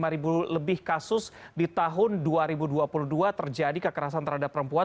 lima lebih kasus di tahun dua ribu dua puluh dua terjadi kekerasan terhadap perempuan